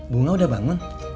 bunga udah bangun